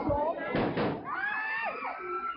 เเตอเตอ